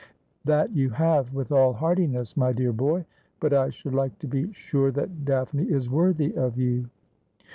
' That you have with all heartiness, my dear boy. But I should like to be sure that Daphne is worthy of you.'